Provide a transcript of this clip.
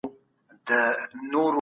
هر څوک د خپل ژوند د امنیت حق لري.